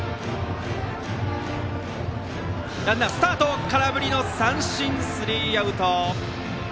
ランナー、スタートしたが空振り三振、スリーアウト。